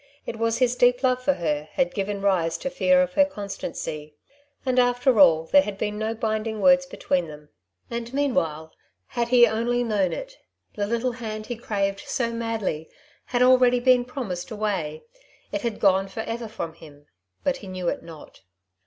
It was his deep love for her had given rise to fear of her constancy; and after all there had been no binding words between them. And meanwhile, had he only known it, the little hand he craved so madly had already been promised away ; it had gone for ever from him, but he knew it not.